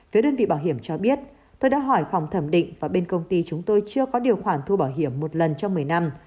phía đơn vị bảo hiểm cho biết tôi đã hỏi phòng thẩm định và bên công ty chúng tôi chưa có điều khoản thu bảo hiểm một lần trong một mươi năm